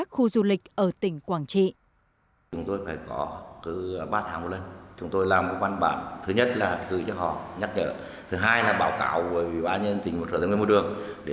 khu du lịch vĩnh thái năm trăm linh ha khu du lịch vịnh mốc đến cửa tùng một trăm bảy mươi bốn ha